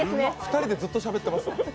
２人でずっとしゃべってますもん。